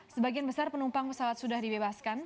sebagian besar penumpang pesawat sudah dibebaskan